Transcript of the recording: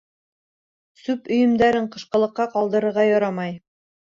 Сүп өйөмдәрен ҡышҡылыҡҡа ҡалдырырға ярамай.